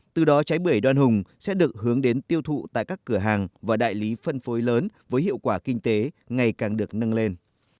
từ đó trái bưởi đoan hùng sẽ được hướng đến tiêu thụ tại các cửa hàng và đại lý phân phối lớn với hiệu quả kinh tế ngày càng được nâng lên